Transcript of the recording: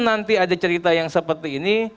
nanti ada cerita yang seperti ini